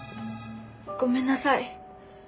ごめんなさい。